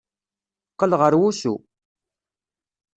Qqel ɣer wusu!